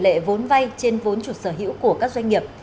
tỷ lệ vốn vay trên vốn chủ sở hữu của các doanh nghiệp